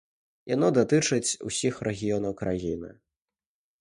Яно датычыць усіх рэгіёнаў краіны.